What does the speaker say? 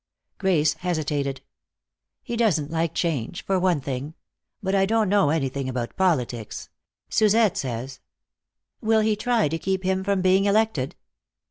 Grace hesitated. "He doesn't like change, for one thing. But I don't know anything about politics. Suzette says " "Will he try to keep him from being elected?"